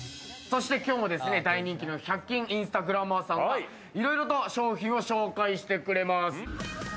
そして今日も大人気の１００均インスタグラマーさんを色々と商品を紹介してくれます。